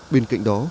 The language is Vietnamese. bên cạnh đó